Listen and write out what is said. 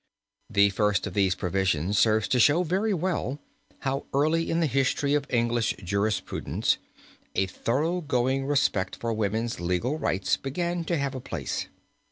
The first of these provisions serves to show very well how early in the history of English jurisprudence a thoroughgoing respect for woman's legal rights began to have a place.